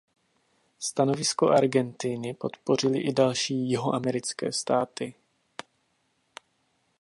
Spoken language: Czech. Stanovisko Argentiny podpořily i další jihoamerické státy.